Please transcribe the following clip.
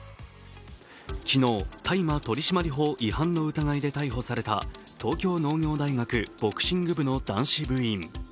昨日、大麻取締法違反の疑いで逮捕された東京農業大学ボクシング部の男子部員。